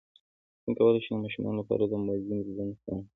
څنګه کولی شم د ماشومانو لپاره د موزیم لیدنه پلان کړم